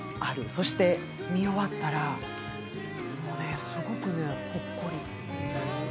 そして見終わったら、もうすごくほっこり。